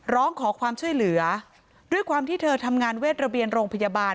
ร้องขอความช่วยเหลือด้วยความที่เธอทำงานเวทระเบียนโรงพยาบาล